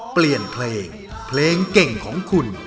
เปลี่ยนเพลงเพลงเก่งของคุณ